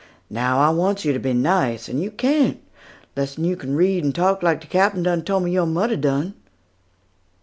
Now, I wants yo to be nice; and yo can't, lessen yo can read and talk like de Captain done tole me yo mudder done."